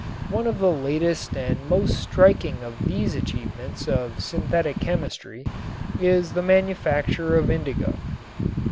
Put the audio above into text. One of the latest and most striking of these achievements of synthetic chemistry is the manufacture of indigo.